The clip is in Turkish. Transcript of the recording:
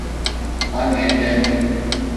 Annen geldi.